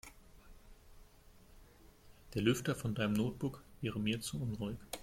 Der Lüfter von deinem Notebook wäre mir zu unruhig.